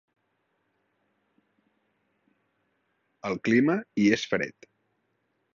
El clima hi és fred.